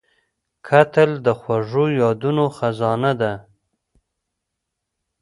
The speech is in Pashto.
کتل د خوږو یادونو خزانه ده